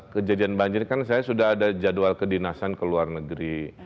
kejadian banjir kan saya sudah ada jadwal kedinasan ke luar negeri